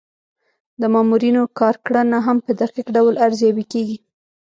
د مامورینو کارکړنه هم په دقیق ډول ارزیابي کیږي.